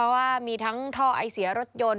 กำหนดไปแล้วนะคะเพราะว่ามีทั้งท่อไอเสียรถยนต์